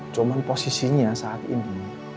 cuman posisinya saat ini